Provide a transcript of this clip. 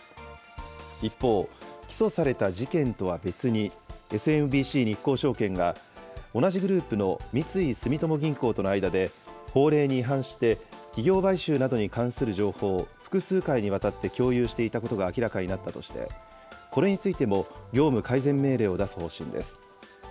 一方、起訴された事件とは別に、ＳＭＢＣ日興証券が、同じグループの三井住友銀行との間で法令に違反して、企業買収などに関する情報を、複数回にわたって共有していたことが明らかになったとして、これについても業務改善命令を出す方針です。